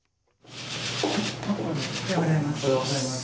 おはようございます。